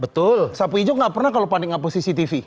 betul sapu ijuk nggak pernah kalau panding panding cctv